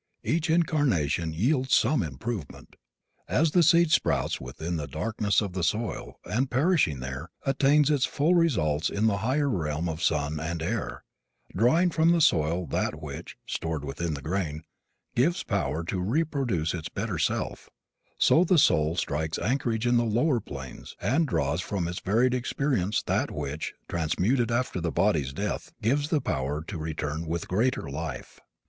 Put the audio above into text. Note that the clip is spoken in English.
Each incarnation yields some improvement. As the seed sprouts within the darkness of the soil and, perishing there, attains its full results in the higher realm of sun and air, drawing from the soil that which, stored within the grain, gives power to reproduce its better self, so the soul strikes anchorage in the lower planes and draws from its varied experiences that which, transmuted after the body's death, gives the power to return with greater life.